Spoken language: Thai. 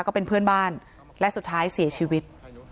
ก็เป็นเพื่อนบ้านและสุดท้ายเสียชีวิต